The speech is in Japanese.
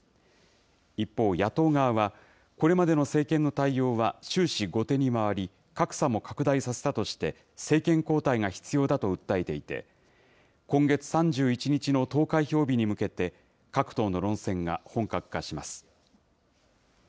一方、野党側は、これまでの政権の対応は終始、後手に回り、格差も拡大させたとして、政権交代が必要だと訴えていて、今月３１日の投開票日に向けて、各党の論戦が本格化します。